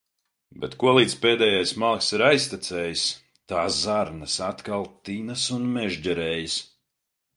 Bet kolīdz pēdējais malks ir aiztecējis, tā zarnas atkal tinas un mežģerējas.